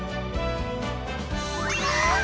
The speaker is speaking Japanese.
わあ！